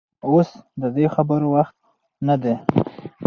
اوس د دې خبرو وخت نه دى.